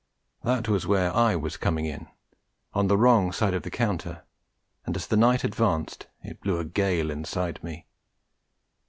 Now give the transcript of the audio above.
That was where I was coming in on the wrong side of the counter and as the night advanced it blew a gale inside me.